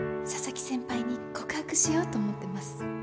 佐々木先輩に告白しようと思ってます。